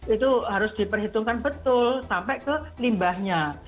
itu harus diperhitungkan betul sampai ke limbahnya